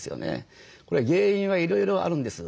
これは原因はいろいろあるんです。